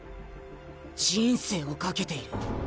人生を懸けている。